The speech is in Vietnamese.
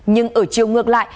nhưng ở chiều ngược lại